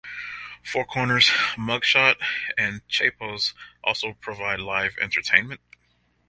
Four Corners, MugShot, and Chepos also provide live entertainment.